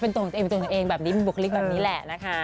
เป็นตัวตัวเองแบบนี้เป็นบุคลิกแบบนี้แหละนะคะ